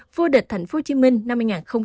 vô địch tp hcm năm hai nghìn hai mươi bốn